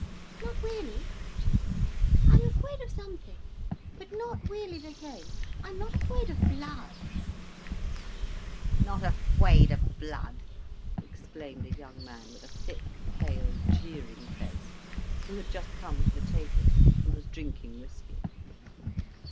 "Not weally," she said. "I am afwaid of some things, but not weally the same. I'm not afwaid of blood." "Not afwaid of blood!" exclaimed a young man with a thick, pale, jeering face, who had just come to the table and was drinking whisky.